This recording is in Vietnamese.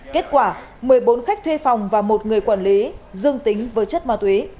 kết quả một mươi bốn khách thuê phòng và một người quản lý dương tính với chất ma túy